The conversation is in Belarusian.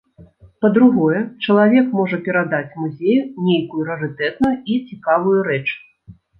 Па-другое, чалавек можа перадаць музею нейкую рарытэтную і цікавую рэч.